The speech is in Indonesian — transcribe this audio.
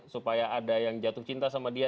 supaya ada yang jatuh cinta sama dia